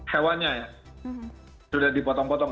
hewannya ya sudah dipotong potong